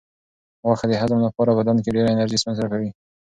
غوښه د هضم لپاره په بدن کې ډېره انرژي مصرفوي.